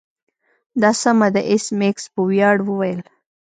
دا سمه ده ایس میکس په ویاړ وویل